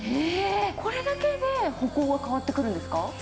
これだけで歩行が変わってくるんですか？